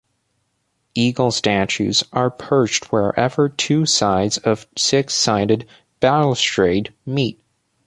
Eagle statues are perched wherever two sides of six-sided balustrade meet.